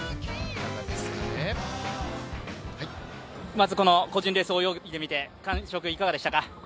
まず個人レース泳いでみて感触いかがでしたか。